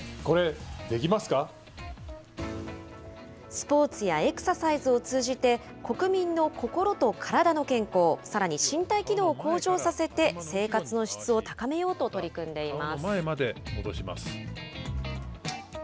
スポーツやエクササイズを通じて、国民の心と体の健康、さらに身体機能を向上させて、生活の質を高めようと取り組んでいます。